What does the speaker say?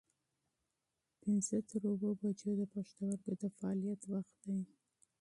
پنځه تر اووه بجو د پښتورګو د فعالیت وخت دی.